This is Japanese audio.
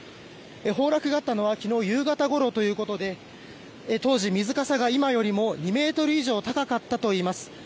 崩落があったのは昨日夕方ごろということで当時、水かさが今よりも２ｍ以上高かったといいます。